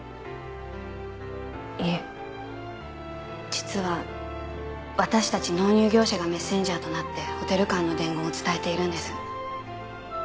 実は私たち納入業者がメッセンジャーとなってホテル間の伝言を伝えているんです。